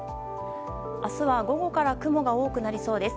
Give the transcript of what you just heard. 明日は午後から雲が多くなりそうです。